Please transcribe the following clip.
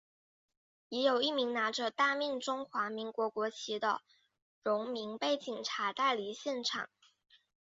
也有一名拿着大面中华民国国旗的荣民被警察带离现场。